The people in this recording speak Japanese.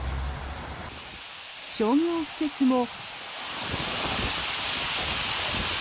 商業施設も。